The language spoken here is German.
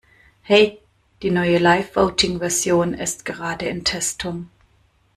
Hey, die neue LiveVoting Version ist gerade in Testung.